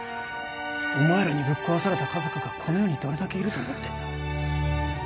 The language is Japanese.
お前らにぶっ壊された家族がこの世にどれだけいると思ってんだ？